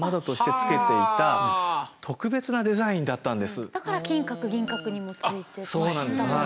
実はこのだから金閣銀閣にもついてましたもんね。